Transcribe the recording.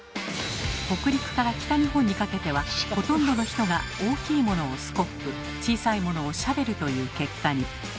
北陸から北日本にかけてはほとんどの人が大きいものをスコップ小さいものをシャベルと言う結果に。